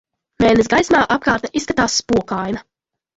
Mēness gaismā apkārtne izskatās spokaina.